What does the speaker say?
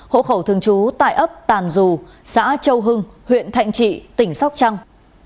hộ khẩu thường trú tại ấp tàn dù xã châu hưng huyện thạnh trị tỉnh sóc trăng